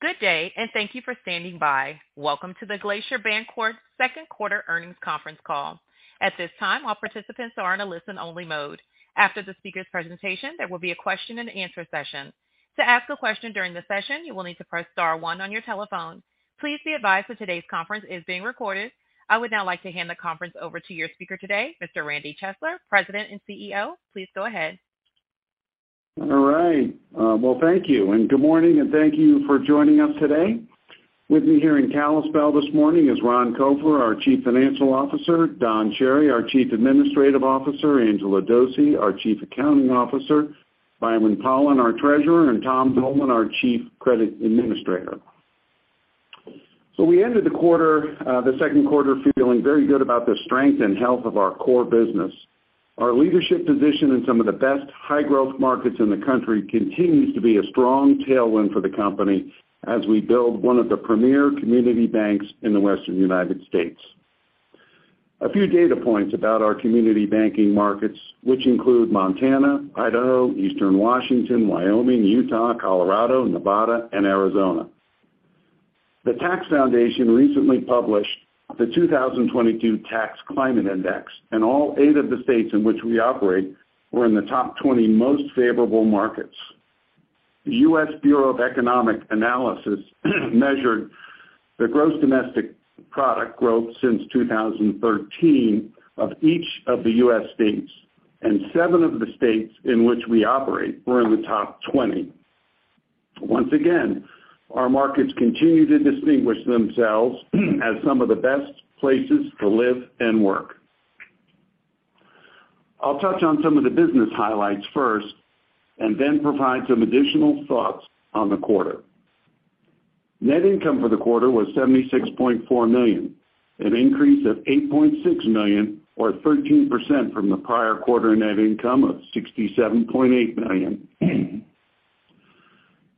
Good day, and thank you for standing by. Welcome to the Glacier Bancorp second quarter earnings conference call. At this time, all participants are in a listen-only mode. After the speaker's presentation, there will be a question-and-answer session. To ask a question during the session, you will need to press star one on your telephone. Please be advised that today's conference is being recorded. I would now like to hand the conference over to your speaker today, Mr. Randy Chesler, President and CEO. Please go ahead. All right. Well, thank you, and good morning, and thank you for joining us today. With me here in Kalispell this morning is Ron Copher, our Chief Financial Officer, Don Chery, our Chief Administrative Officer, Angela Dose, our Chief Accounting Officer, Byron Pollan, our Treasurer, and Tom Dolan, our Chief Credit Administrator. We ended the quarter, the second quarter feeling very good about the strength and health of our core business. Our leadership position in some of the best high-growth markets in the country continues to be a strong tailwind for the company as we build one of the premier community banks in the western United States. A few data points about our community banking markets, which include Montana, Idaho, Eastern Washington, Wyoming, Utah, Colorado, Nevada, and Arizona. The Tax Foundation recently published the 2022 Tax Climate Index, and all 8 of the states in which we operate were in the top 20 most favorable markets. The U.S. Bureau of Economic Analysis measured the gross domestic product growth since 2013 of each of the U.S. states, and seven of the states in which we operate were in the top 20. Once again, our markets continue to distinguish themselves as some of the best places to live and work. I'll touch on some of the business highlights first and then provide some additional thoughts on the quarter. Net income for the quarter was $76.4 million, an increase of $8.6 million or 13% from the prior quarter net income of $67.8 million.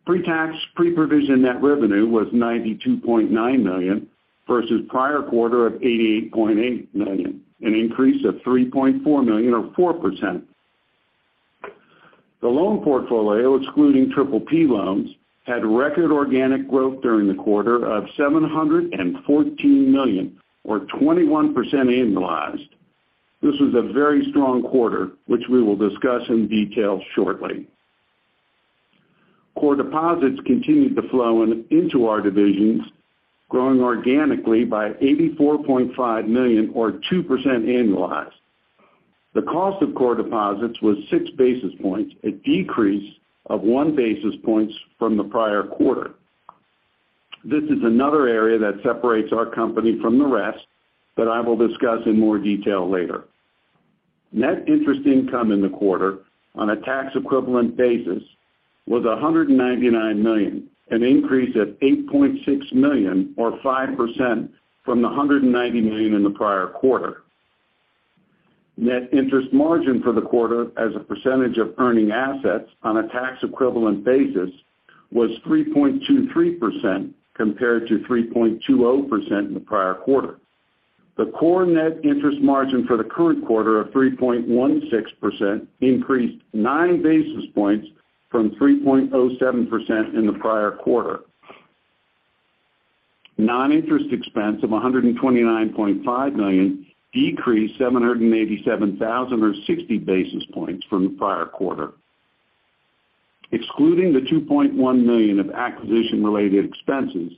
Pre-tax, pre-provision net revenue was $92.9 million versus prior quarter of $88.8 million, an increase of $3.4 million or 4%. The loan portfolio, excluding PPP loans, had record organic growth during the quarter of $714 million or 21% annualized. This was a very strong quarter, which we will discuss in detail shortly. Core deposits continued to flow in, into our divisions, growing organically by $84.5 million or 2% annualized. The cost of core deposits was six basis points, a decrease of one basis point from the prior quarter. This is another area that separates our company from the rest that I will discuss in more detail later. Net interest income in the quarter on a tax equivalent basis was $199 million, an increase of $8.6 million or 5% from the $190 million in the prior quarter. Net interest margin for the quarter as a percentage of earning assets on a tax equivalent basis was 3.23% compared to 3.20% in the prior quarter. The core net interest margin for the current quarter of 3.16% increased nine basis points from 3.07% in the prior quarter. Non-interest expense of $129.5 million decreased $787,000 or 60 basis points from the prior quarter. Excluding the $2.1 million of acquisition-related expenses,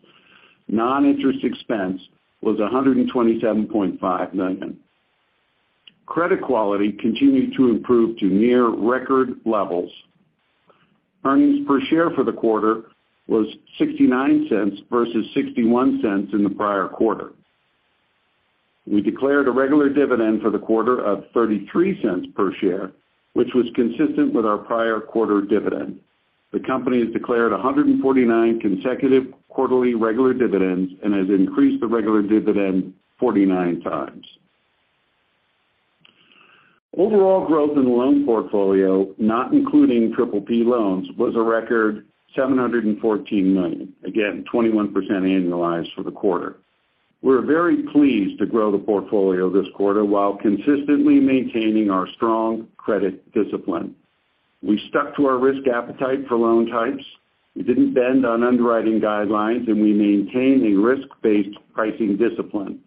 non-interest expense was $127.5 million. Credit quality continued to improve to near-record levels. Earnings per share for the quarter was $0.69 versus $0.61 in the prior quarter. We declared a regular dividend for the quarter of $0.33 per share, which was consistent with our prior quarter dividend. The company has declared 149 consecutive quarterly regular dividends and has increased the regular dividend 49x. Overall growth in the loan portfolio, not including PPP loans, was a record $714 million, again 21% annualized for the quarter. We're very pleased to grow the portfolio this quarter while consistently maintaining our strong credit discipline. We stuck to our risk appetite for loan types. We didn't bend on underwriting guidelines, and we maintained a risk-based pricing discipline.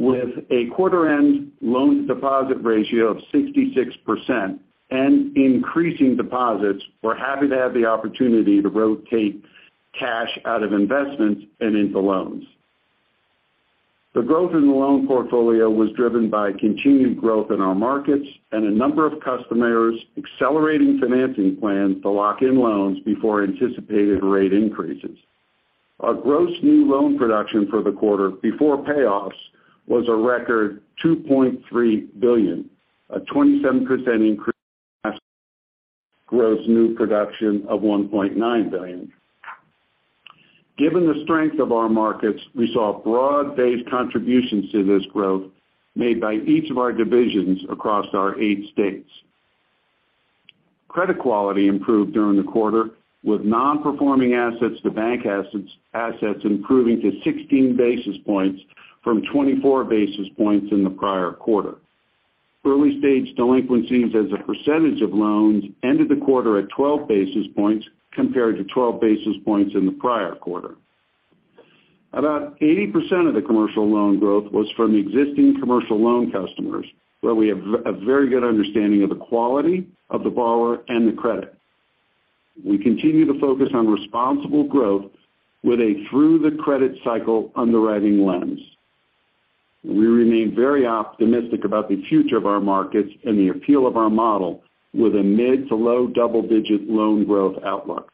With a quarter-end loan-to-deposit ratio of 66% and increasing deposits, we're happy to have the opportunity to rotate cash out of investments and into loans. The growth in the loan portfolio was driven by continued growth in our markets and a number of customers accelerating financing plans to lock in loans before anticipated rate increases. Our gross new loan production for the quarter before payoffs was a record $2.3 billion, a 27% increase gross new production of $1.9 billion. Given the strength of our markets, we saw broad-based contributions to this growth made by each of our divisions across our eight states. Credit quality improved during the quarter with Non-Performing Assets to bank assets improving to 16 basis points from 24 basis points in the prior quarter. Early stage delinquencies as a percentage of loans ended the quarter at 12 basis points compared to 12 basis points in the prior quarter. About 80% of the commercial loan growth was from existing commercial loan customers, where we have very good understanding of the quality of the borrower and the credit. We continue to focus on responsible growth with a through the credit cycle underwriting lens. We remain very optimistic about the future of our markets and the appeal of our model with a mid to low double-digit loan growth outlook.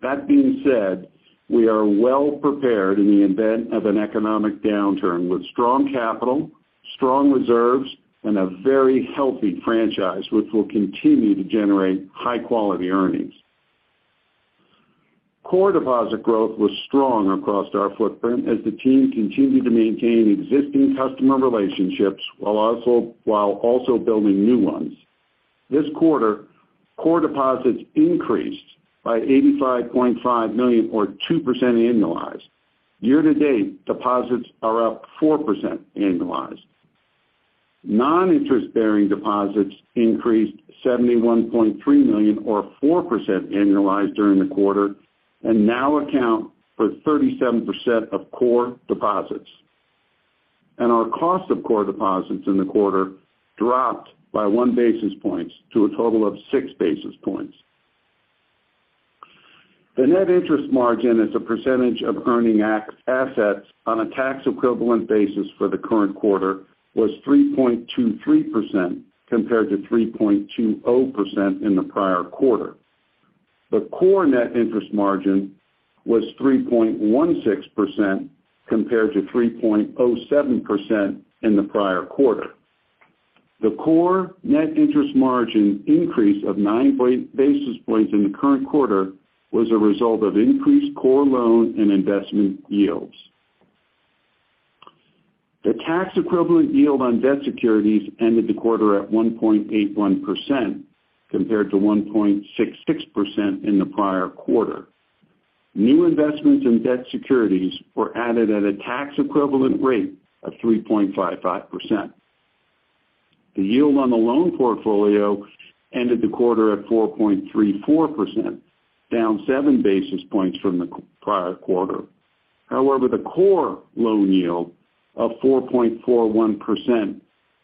That being said, we are well prepared in the event of an economic downturn with strong capital, strong reserves, and a very healthy franchise which will continue to generate high-quality earnings. Core deposit growth was strong across our footprint as the team continued to maintain existing customer relationships while also building new ones. This quarter, core deposits increased by $85.5 million or 2% annualized. Year-to-date, deposits are up 4% annualized. Non-interest-bearing deposits increased $71.3 million or 4% annualized during the quarter, and now account for 37% of core deposits. Our cost of core deposits in the quarter dropped by one basis point to a total of 6 basis points. The net interest margin as a percentage of earning assets on a tax equivalent basis for the current quarter was 3.23% compared to 3.20% in the prior quarter. The core net interest margin was 3.16% compared to 3.07% in the prior quarter. The core net interest margin increase of nine basis points in the current quarter was a result of increased core loan and investment yields. The tax equivalent yield on debt securities ended the quarter at 1.81% compared to 1.66% in the prior quarter. New investments in debt securities were added at a tax equivalent rate of 3.55%. The yield on the loan portfolio ended the quarter at 4.34%, down seven basis points from the prior quarter. However, the core loan yield of 4.41%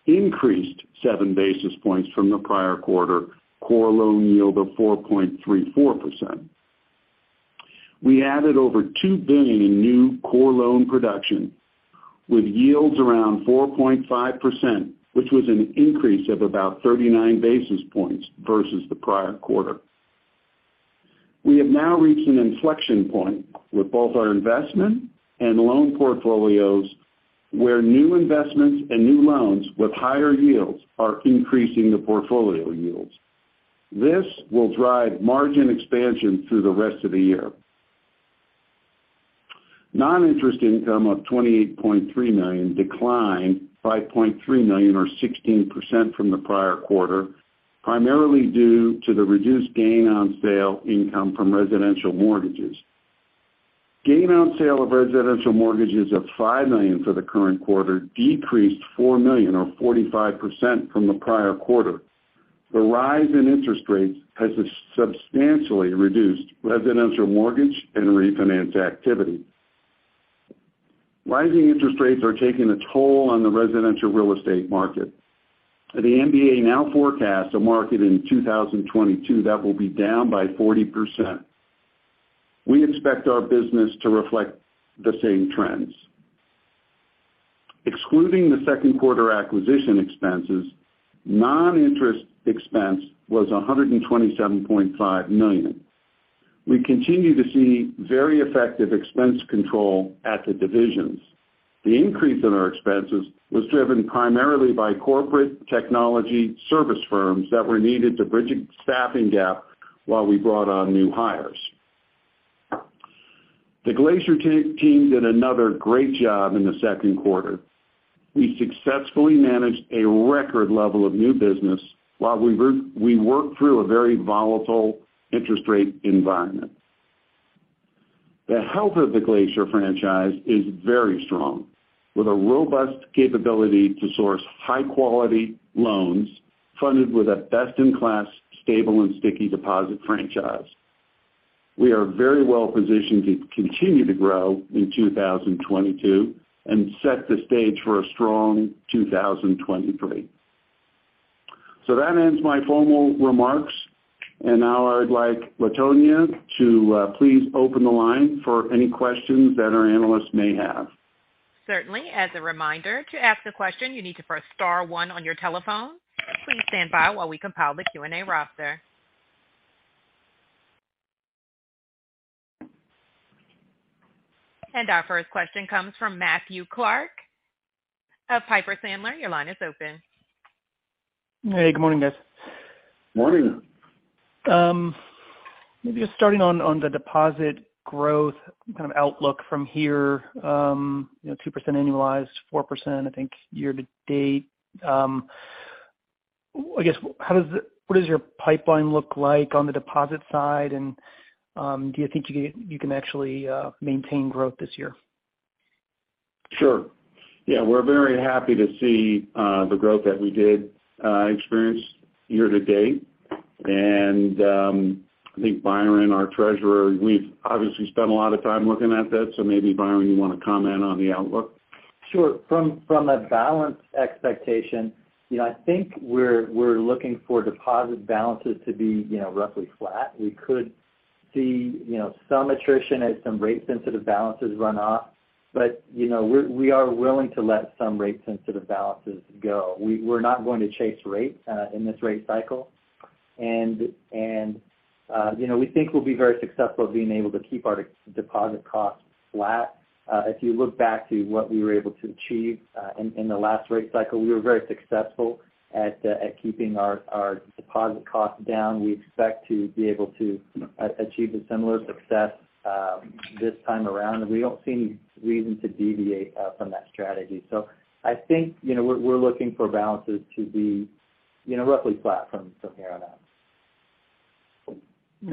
increased seven basis points from the prior quarter core loan yield of 4.34%. We added over $2 billion in new core loan production with yields around 4.5%, which was an increase of about 39 basis points versus the prior quarter. We have now reached an inflection point with both our investment and loan portfolios, where new investments and new loans with higher yields are increasing the portfolio yields. This will drive margin expansion through the rest of the year. Non-interest income of $28.3 million declined $5.3 million or 16% from the prior quarter, primarily due to the reduced gain on sale income from residential mortgages. Gain on sale of residential mortgages of $5 million for the current quarter decreased $4 million or 45% from the prior quarter. The rise in interest rates has substantially reduced residential mortgage and refinance activity. Rising interest rates are taking a toll on the residential real estate market. The MBA now forecasts a market in 2022 that will be down by 40%. We expect our business to reflect the same trends. Excluding the second quarter acquisition expenses, non-interest expense was $127.5 million. We continue to see very effective expense control at the divisions. The increase in our expenses was driven primarily by corporate technology service firms that were needed to bridge a staffing gap while we brought on new hires. The Glacier team did another great job in the second quarter. We successfully managed a record level of new business while we worked through a very volatile interest rate environment. The health of the Glacier franchise is very strong, with a robust capability to source high-quality loans funded with a best-in-class, stable and sticky deposit franchise. We are very well positioned to continue to grow in 2022 and set the stage for a strong 2023. That ends my formal remarks. Now I'd like Latonia to please open the line for any questions that our analysts may have. Certainly. As a reminder, to ask a question, you need to press star one on your telephone. Please stand by while we compile the Q&A roster. Our first question comes from Matthew Clark of Piper Sandler. Your line is open. Hey, good morning, guys. Morning. Maybe just starting on the deposit growth kind of outlook from here, you know, 2% annualized, 4%, I think, year to date. I guess, what does your pipeline look like on the deposit side? Do you think you can actually maintain growth this year? Sure. Yeah, we're very happy to see the growth that we did experience year to date. I think Byron, our treasurer, we've obviously spent a lot of time looking at that. Maybe, Byron, you wanna comment on the outlook. Sure. From a balance expectation, you know, I think we're looking for deposit balances to be, you know, roughly flat. We could see, you know, some attrition as some rate sensitive balances run off. You know, we're willing to let some rate sensitive balances go. We're not going to chase rates in this rate cycle. You know, we think we'll be very successful at being able to keep our deposit costs flat. If you look back to what we were able to achieve in the last rate cycle, we were very successful at keeping our deposit costs down. We expect to be able to achieve a similar success this time around. We don't see any reason to deviate from that strategy. I think, you know, we're looking for balances to be, you know, roughly flat from here on out.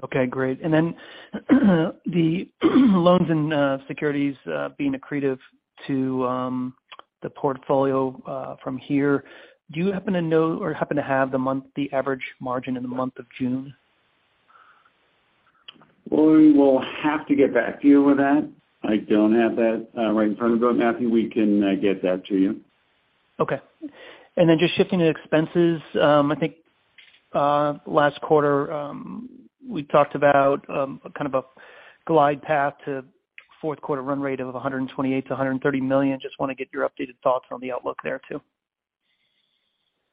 Okay, great. The loans and securities being accretive to the portfolio from here, do you happen to know or happen to have the average margin in the month of June? We will have to get back to you with that. I don't have that, right in front of me, Matthew. We can get that to you. Okay. Just shifting to expenses. I think last quarter we talked about kind of a glide path to fourth quarter run rate of $128 million-$130 million. Just wanna get your updated thoughts on the outlook there too.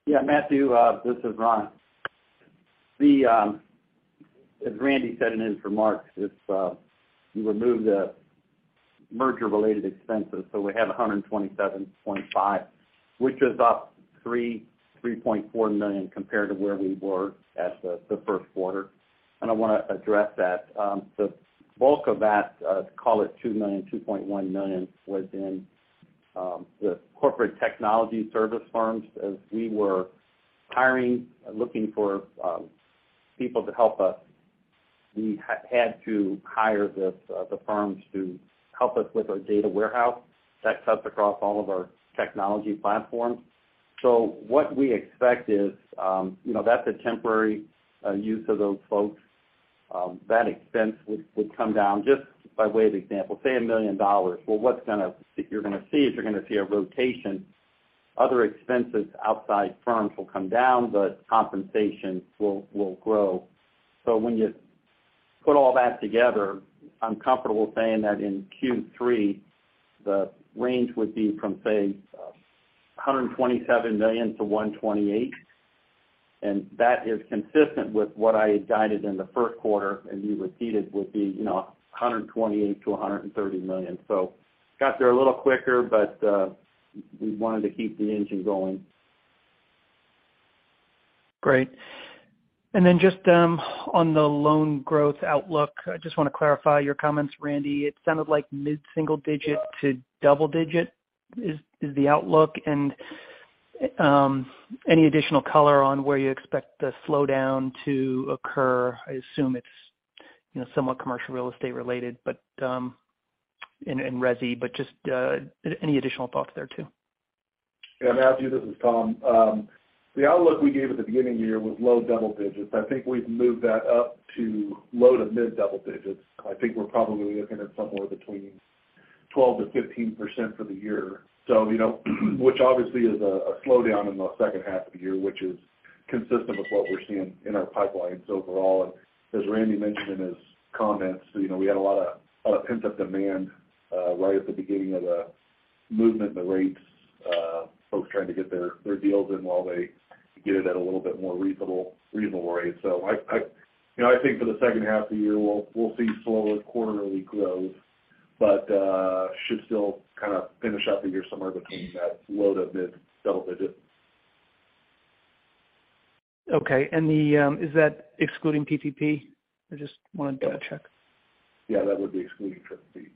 Yeah, Matthew, this is Ron. As Randy said in his remarks, it's you remove the merger-related expenses. We have $127.5 million, which is up $3.4 million compared to where we were at the first quarter. I wanna address that. The bulk of that, call it $2 million, $2.1 million, was in the corporate technology service firms. As we were hiring, looking for people to help us, we had to hire the firms to help us with our data warehouse that cuts across all of our technology platforms. What we expect is, you know, that's a temporary use of those folks. That expense would come down. Just by way of example, say $1 million. Well, you're gonna see a rotation. Other expenses outside firms will come down, but compensation will grow. When you put all that together, I'm comfortable saying that in Q3, the range would be from, say, $127 million to $128 million. That is consistent with what I had guided in the first quarter, and we repeated would be $128 million to $130 million. Got there a little quicker, but we wanted to keep the engine going. Great. Then just on the loan growth outlook, I just wanna clarify your comments, Randy. It sounded like mid-single digit to double digit is the outlook. Any additional color on where you expect the slowdown to occur? I assume it's, you know, somewhat commercial real estate related, but in resi, but just any additional thoughts there too. Yeah, Matthew, this is Tom. The outlook we gave at the beginning of the year was low double digits. I think we've moved that up to low to mid double digits. I think we're probably looking at somewhere between 12%-15% for the year. You know, which obviously is a slowdown in the second half of the year, which is consistent with what we're seeing in our pipelines overall. As Randy mentioned in his comments, you know, we had a lot of pent-up demand right at the beginning of the movement in the rates, folks trying to get their deals in while they could get it at a little bit more reasonable rate. I you know I think for the second half of the year, we'll see slower quarterly growth, but should still kind of finish out the year somewhere between that low to mid double digits. Is that excluding PPP? I just wanted to check. Yeah, that would be excluding PPP.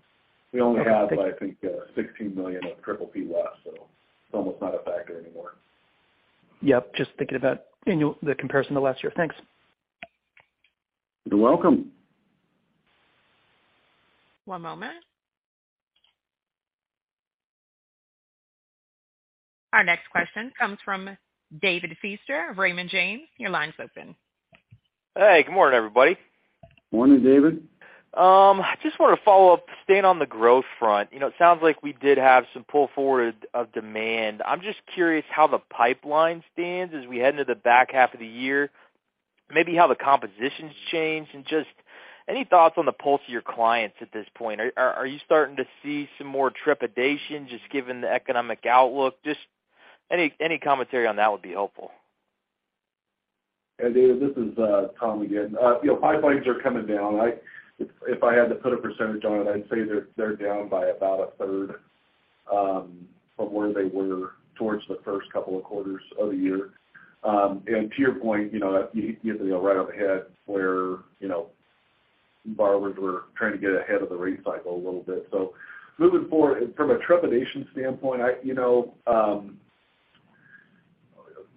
We only have, I think, $16 million of PPP left, so it's almost not a factor anymore. Yep, just thinking about the comparison to last year. Thanks. You're welcome. One moment. Our next question comes from David Feaster of Raymond James. Your line's open. Hey, good morning, everybody. Morning, David. I just wanna follow up, staying on the growth front. You know, it sounds like we did have some pull forward of demand. I'm just curious how the pipeline stands as we head into the back half of the year. Maybe how the composition's changed. Just any thoughts on the pulse of your clients at this point. Are you starting to see some more trepidation just given the economic outlook? Just any commentary on that would be helpful. Hey, David, this is Tom again. You know, pipelines are coming down. If I had to put a percentage on it, I'd say they're down by about a third from where they were towards the first couple of quarters of the year. To your point, you know, you hit the nail right on the head where, you know, some borrowers were trying to get ahead of the rate cycle a little bit. Moving forward, from a trepidation standpoint, you know,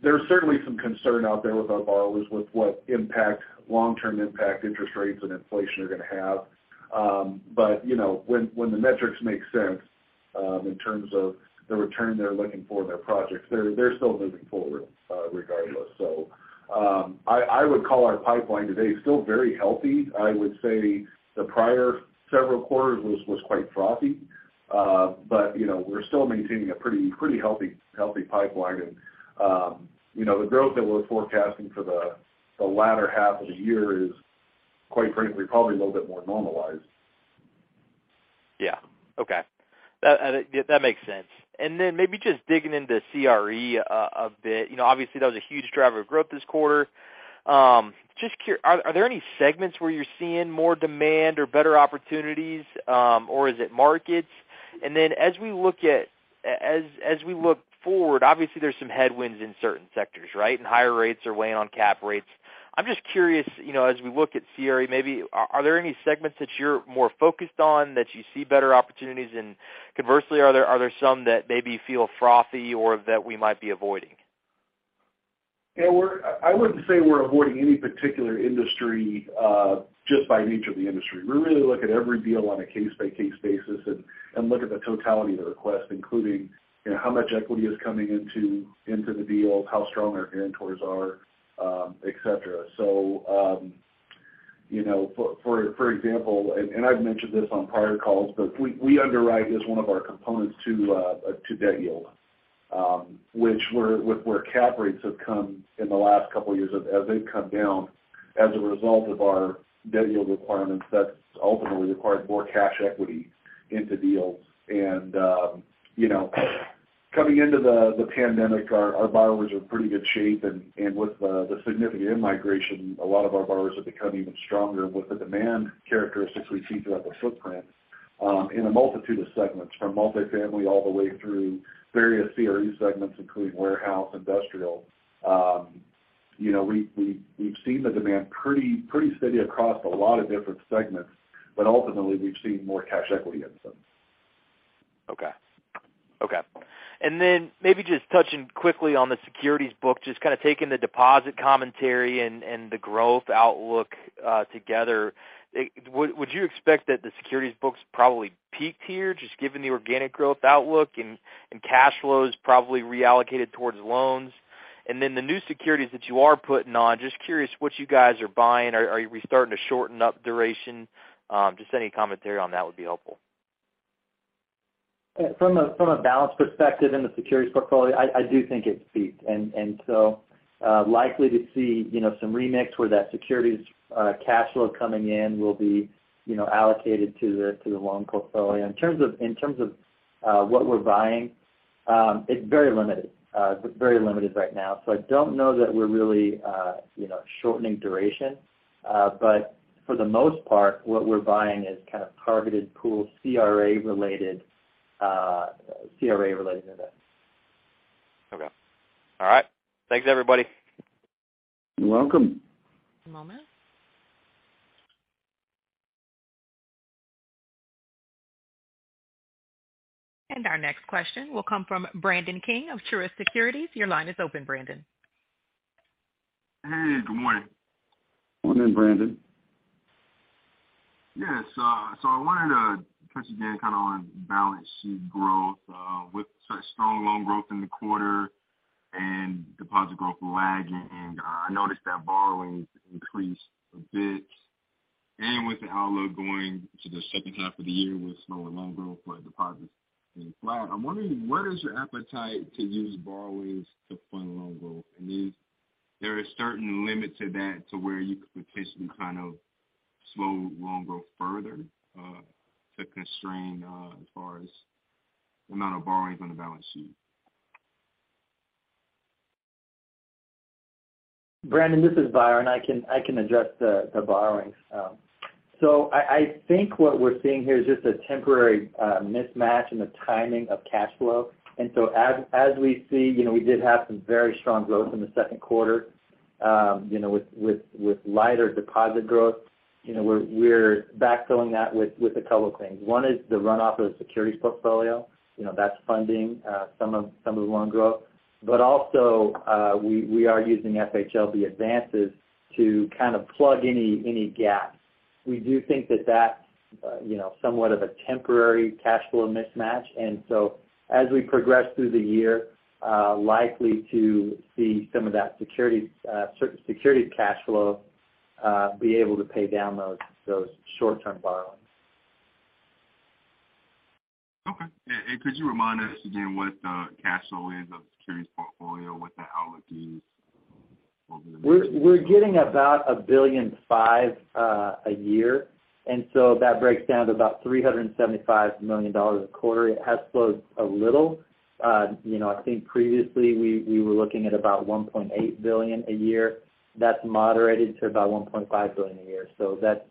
there's certainly some concern out there with our borrowers with what impact, long-term impact interest rates and inflation are gonna have. You know, when the metrics make sense in terms of the return they're looking for in their projects, they're still moving forward, regardless. I would call our pipeline today still very healthy. I would say the prior several quarters was quite frothy. You know, we're still maintaining a pretty healthy pipeline. You know, the growth that we're forecasting for the latter half of the year is quite frankly probably a little bit more normalized. Yeah. Okay. That makes sense. Maybe just digging into CRE a bit. You know, obviously, that was a huge driver of growth this quarter. Just curious, are there any segments where you're seeing more demand or better opportunities, or is it markets? As we look forward, obviously, there's some headwinds in certain sectors, right? Higher rates are weighing on cap rates. I'm just curious, you know, as we look at CRE, maybe are there any segments that you're more focused on that you see better opportunities? Conversely, are there some that maybe feel frothy or that we might be avoiding? Yeah. I wouldn't say we're avoiding any particular industry, just by nature of the industry. We really look at every deal on a case-by-case basis and look at the totality of the request, including, you know, how much equity is coming into the deal, how strong our guarantors are, et cetera. You know, for example, and I've mentioned this on prior calls, but we underwrite as one of our components to Debt Yield, where cap rates have come in the last couple years, as they've come down as a result of our Debt Yield requirements, that's ultimately required more cash equity into deals. You know, coming into the pandemic, our borrowers are in pretty good shape. With the significant in-migration, a lot of our borrowers have become even stronger. With the demand characteristics we see throughout the footprint, in a multitude of segments, from multifamily all the way through various CRE segments, including warehouse, industrial, you know, we've seen the demand pretty steady across a lot of different segments, but ultimately, we've seen more cash equity in some. Maybe just touching quickly on the securities book, just kind of taking the deposit commentary and the growth outlook together. Would you expect that the securities books probably peaked here, just given the organic growth outlook and cash flows probably reallocated towards loans? The new securities that you are putting on, just curious what you guys are buying. Are we starting to shorten up duration? Just any commentary on that would be helpful. From a balance perspective in the securities portfolio, I do think it's peaked. Likely to see, you know, some remix where that securities cash flow coming in will be, you know, allocated to the loan portfolio. In terms of what we're buying, it's very limited. It's very limited right now. I don't know that we're really, you know, shortening duration. For the most part, what we're buying is kind of targeted pool CRA related events. Okay. All right. Thanks, everybody. You're welcome. Just a moment. Our next question will come from Brandon King of Truist Securities. Your line is open, Brandon. Hey, good morning. Morning, Brandon. Yes. I wanted to touch again kind of on balance sheet growth. With such strong loan growth in the quarter and deposit growth lagging, and I noticed that borrowings increased a bit. With the outlook going into the second half of the year with slower loan growth for deposits being flat, I'm wondering what is your appetite to use borrowings to fund loan growth? And is there a certain limit to that to where you could potentially kind of slow loan growth further, to constrain, as far as the amount of borrowings on the balance sheet? Brandon, this is Byron. I can address the borrowings. I think what we're seeing here is just a temporary mismatch in the timing of cash flow. As we see, you know, we did have some very strong growth in the second quarter, you know, with lighter deposit growth. You know, we're backfilling that with a couple of things. One is the runoff of the securities portfolio. You know, that's funding some of the loan growth. But also, we are using FHLB advances to kind of plug any gaps. We do think that that's you know somewhat of a temporary cash flow mismatch. As we progress through the year, likely to see some of that securities cash flow be able to pay down those short-term borrowings. Okay. Could you remind us again what the cash flow is of the securities portfolio, what the outlook is over the next year? We're getting about $1.5 billion a year, and so that breaks down to about $375 million a quarter. It has slowed a little. You know, I think previously we were looking at about $1.8 billion a year. That's moderated to about $1.5 billion a year. That's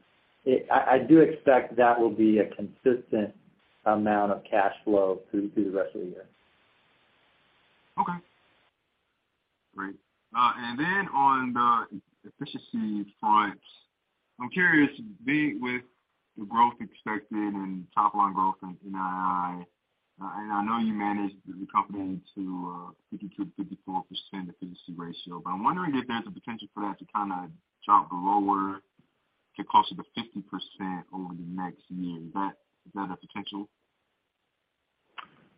it. I do expect that will be a consistent amount of cash flow through the rest of the year. On the efficiency front, I'm curious, being with the growth expected and top line growth in NII, and I know you managed the company to 50%-54% efficiency ratio, but I'm wondering if there's a potential for that to kind of drop lower to closer to 50% over the next year. Is that a potential?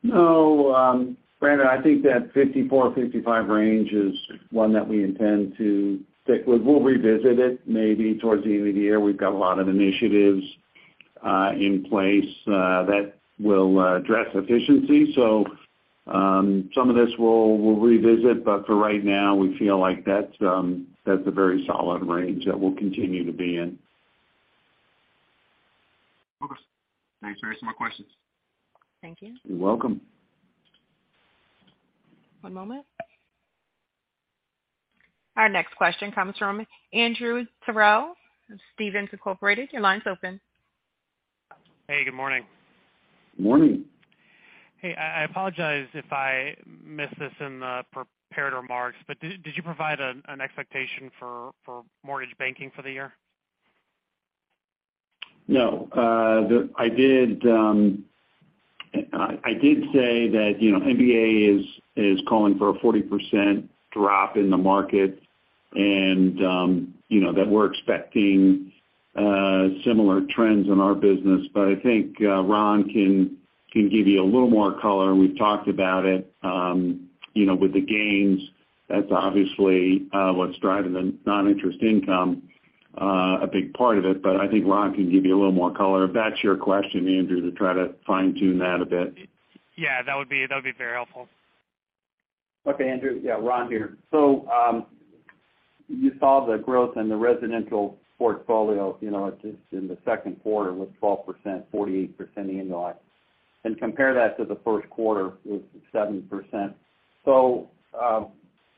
No. Brandon, I think that 54%-55% range is one that we intend to stick with. We'll revisit it maybe towards the end of the year. We've got a lot of initiatives in place that will address efficiency. Some of this we'll revisit, but for right now, we feel like that's a very solid range that we'll continue to be in. Okay. Thanks very much. No more questions. Thank you. You're welcome. One moment. Our next question comes from Andrew Terrell of Stephens Inc. Your line's open. Hey, good morning. Morning. Hey, I apologize if I missed this in the prepared remarks, but did you provide an expectation for mortgage banking for the year? No. I did say that, you know, MBA is calling for a 40% drop in the market and, you know, that we're expecting similar trends in our business. But I think Ron can give you a little more color. We've talked about it, you know, with the gains. That's obviously what's driving the noninterest income, a big part of it. But I think Ron can give you a little more color, if that's your question, Andrew, to try to fine tune that a bit. Yeah, that'd be very helpful. Okay, Andrew. Yeah, Ron here. You saw the growth in the residential portfolio, you know, just in the second quarter with 12%, 48% annualized, and compare that to the first quarter with 7%.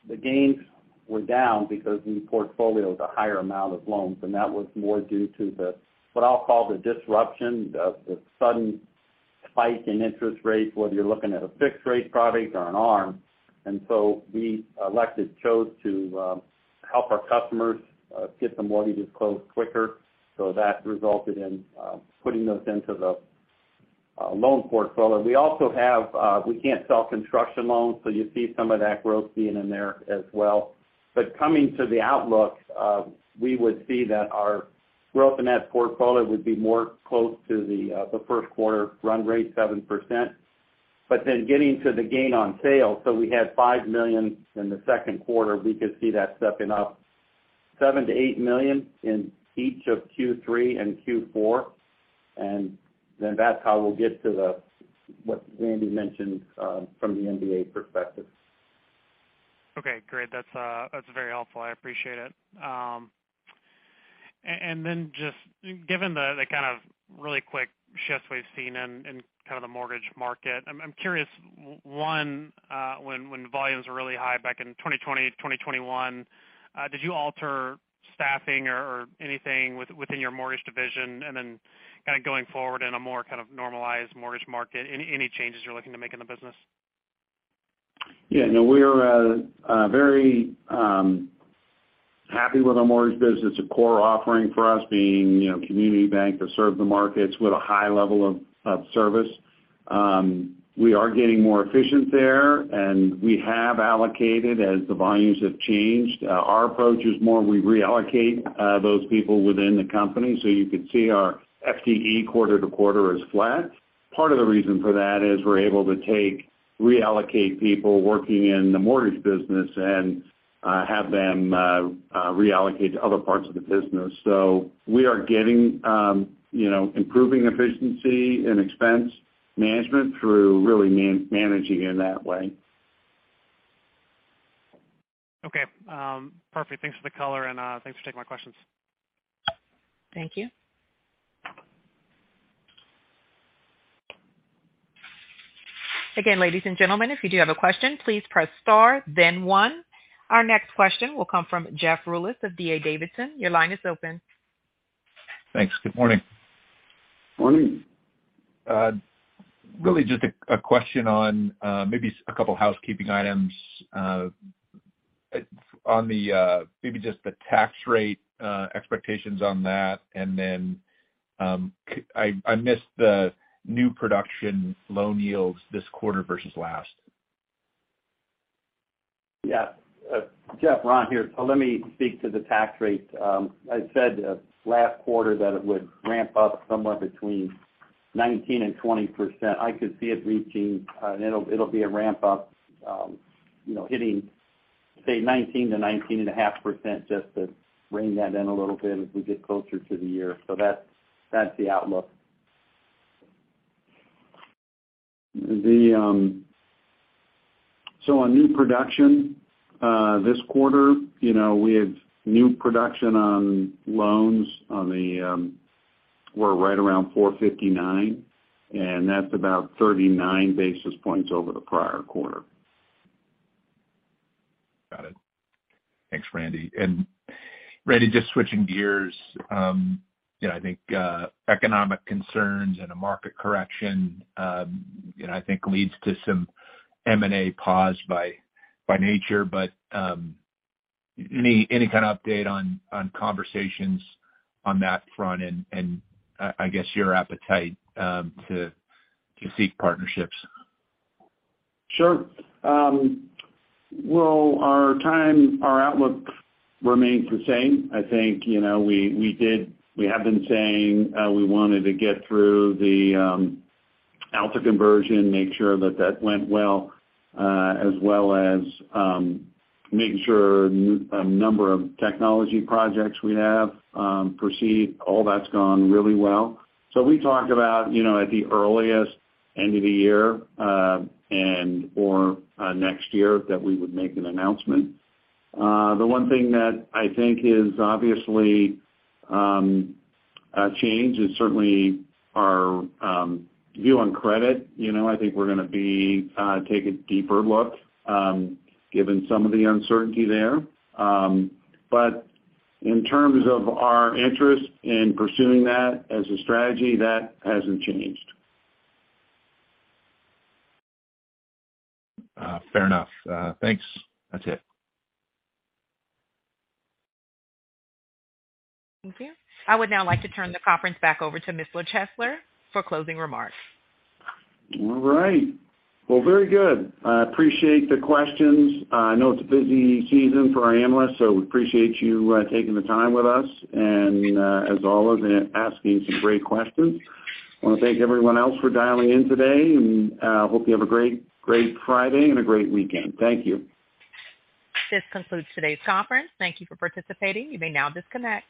The gains were down because the portfolio is a higher amount of loans, and that was more due to the, what I'll call, the disruption, the sudden spike in interest rates, whether you're looking at a fixed rate product or an ARM. We chose to help our customers get the mortgages closed quicker. That resulted in putting those into the loan portfolio. We also have, we can't sell construction loans, so you see some of that growth being in there as well. Coming to the outlook, we would see that our growth in that portfolio would be more close to the first quarter run rate, 7%. Getting to the gain on sale, so we had $5 million in the second quarter. We could see that stepping up $7 million-$8 million in each of Q3 and Q4. That's how we'll get to what Randy mentioned from the MBA perspective. Okay, great. That's very helpful. I appreciate it. And then just given the kind of really quick shifts we've seen in kind of the mortgage market, I'm curious, one, when volumes were really high back in 2020, 2021, did you alter staffing or anything within your mortgage division? Then kind of going forward in a more kind of normalized mortgage market, any changes you're looking to make in the business? Yeah, no, we are very happy with our mortgage business. It's a core offering for us being, you know, community bank to serve the markets with a high level of service. We are getting more efficient there, and we have allocated as the volumes have changed. Our approach is more we reallocate those people within the company. You could see our FTE quarter to quarter is flat. Part of the reason for that is we're able to take, reallocate people working in the mortgage business and have them reallocate to other parts of the business. We are getting, you know, improving efficiency and expense management through really managing in that way. Okay. Perfect. Thanks for the color and thanks for taking my questions. Thank you. Again, ladies and gentlemen, if you do have a question, please press star then one. Our next question will come from Jeff Rulis of D.A. Davidson. Your line is open. Thanks. Good morning. Morning. Really just a question on maybe a couple housekeeping items. On the maybe just the tax rate expectations on that. Then I missed the new production loan yields this quarter versus last. Yeah. Jeff, Ron here. Let me speak to the tax rate. I said last quarter that it would ramp up somewhere between 19% and 20%. I could see it reaching, and it'll be a ramp up, you know, hitting, say, 19%-19.5% just to rein that in a little bit as we get closer to the year. That's the outlook. On new production this quarter, you know, we have new production on loans. We're right around 4.59, and that's about 39 basis points over the prior quarter. Got it. Thanks, Randy. Randy, just switching gears. You know, I think economic concerns and a market correction you know, I think leads to some M&A pause by nature. Any kind of update on conversations on that front and I guess your appetite to seek partnerships? Sure. Well, our outlook remains the same. I think, you know, we have been saying we wanted to get through the Altabank conversion, make sure that that went well, as well as making sure a number of technology projects we have proceed. All that's gone really well. We talked about, you know, at the earliest end of the year or next year that we would make an announcement. The one thing that I think is obviously changed is certainly our view on credit. You know, I think we're gonna take a deeper look given some of the uncertainty there. But in terms of our interest in pursuing that as a strategy, that hasn't changed. Fair enough. Thanks. That's it. Thank you. I would now like to turn the conference back over to Mr. Chesler for closing remarks. All right. Well, very good. I appreciate the questions. I know it's a busy season for our analysts, so we appreciate you taking the time with us and, as always, asking some great questions. I wanna thank everyone else for dialing in today, and hope you have a great Friday and a great weekend. Thank you. This concludes today's conference. Thank you for participating. You may now disconnect.